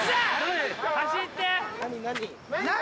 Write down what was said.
・何？